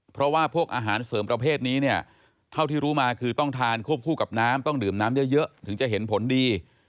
เพราะว่าพวกอาหารเสริมประเภทนี้เนี่ยเท่าที่รู้มาคือต้องทานควบคู่กับน้ำต้องดื่มน้ำเยอะถึงจะเห็นผลดี